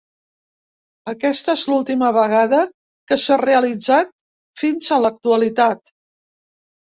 Aquesta és l'última vegada que s'ha realitzat fins a l'actualitat.